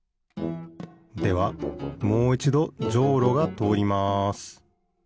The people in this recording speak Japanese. ではもういちどじょうろがとおります